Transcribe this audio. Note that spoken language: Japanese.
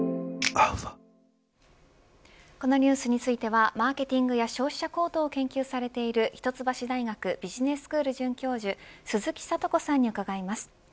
このニュースについてはマーケティングや消費者行動を研究されている一橋大学ビジネススクール准教授鈴木智子さんに伺います。